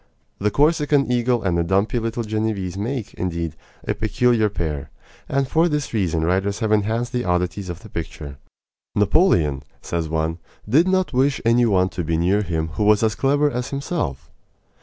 The Corsican eagle and the dumpy little Genevese make, indeed, a peculiar pair; and for this reason writers have enhanced the oddities of the picture. "Napoleon," says one, "did not wish any one to be near him who was as clever as himself."